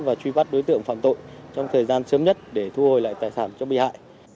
và truy bắt đối tượng phạm tội trong thời gian sớm nhất để thu hồi lại tài sản cho bị hại